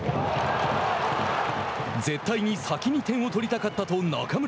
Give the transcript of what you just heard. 絶対に先に点を取りたかったと中村。